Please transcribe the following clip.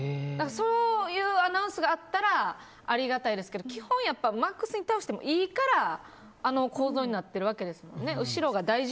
そういうアナウンスがあったらありがたいですけど基本、マックスに倒してもいいからあの構造になってるわけですもんね。